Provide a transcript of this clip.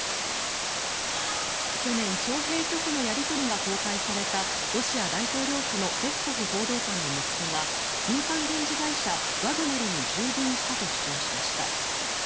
去年徴兵拒否のやり取りが公開されたロシア大統領府のペスコフ報道官の息子が民間軍事会社ワグネルに従軍したと主張しました。